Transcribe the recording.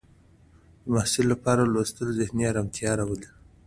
د محصل لپاره لوستل ذهني ارامتیا راولي.